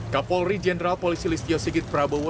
kapolri jenderal polisi listio sigit prabowo